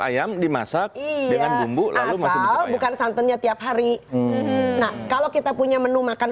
ayam dimasak dengan bumbu asal bukan santannya tiap hari nah kalau kita punya menu makan